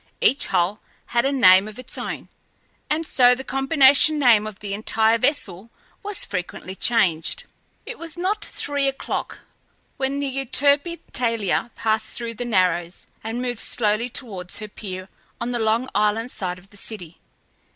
Each hull had a name of its own, and so the combination name of the entire vessel was frequently changed. It was not three o'clock when the Euterpe Thalia passed through the Narrows and moved slowly towards her pier on the Long Island side of the city.